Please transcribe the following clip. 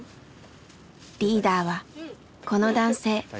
リーダーはこの男性。